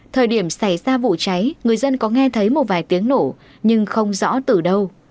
thời điểm xảy ra vụ cháy người dân có nghe thấy một vài tiếng nổ nhưng không rõ từ đâu